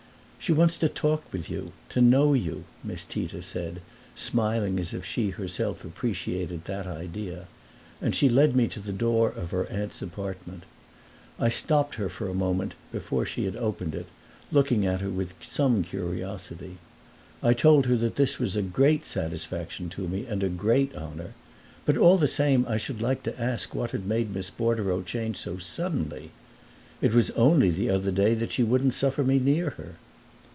"She wants to talk with you to know you," Miss Tita said, smiling as if she herself appreciated that idea; and she led me to the door of her aunt's apartment. I stopped her a moment before she had opened it, looking at her with some curiosity. I told her that this was a great satisfaction to me and a great honor; but all the same I should like to ask what had made Miss Bordereau change so suddenly. It was only the other day that she wouldn't suffer me near her.